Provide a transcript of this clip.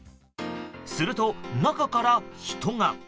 すると、中から人が。